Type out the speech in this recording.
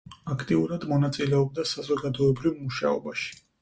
აქტიურად მონაწილეობდა საზოგადოებრივ მუშაობაში.